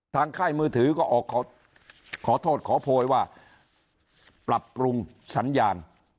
ค่ายมือถือก็ออกขอโทษขอโพยว่าปรับปรุงสัญญาณ